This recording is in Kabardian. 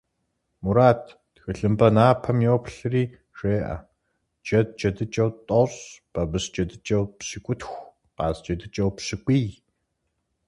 Мурат, тхылъымпӀэ напэм йоплъри, жеӀэ: Джэд джэдыкӀэу тӀощӀ, бабыщ джэдыкӀэу пщыкӀутх, къаз джэдыкӀэу пщыкӀуий.